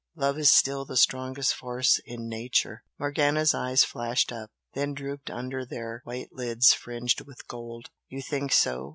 Love is still the strongest force in nature!" Morgana's eyes flashed up, then drooped under their white lids fringed with gold. "You think so?"